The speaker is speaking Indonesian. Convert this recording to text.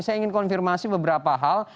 saya ingin konfirmasi beberapa hal